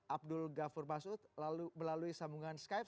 abdul ghafur masud melalui sambungan skype